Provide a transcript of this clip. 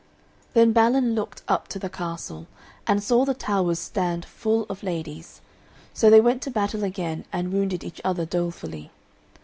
Then Balin looked up to the castle, and saw the towers stand full of ladies; so they went to battle again and wounded each other dolefully.